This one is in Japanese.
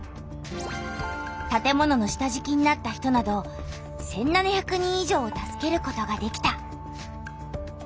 たて物の下じきになった人など１７００人以上を助けることができた。